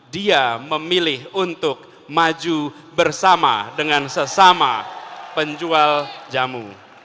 dia memilih untuk maju bersama dengan sesama penjual jamu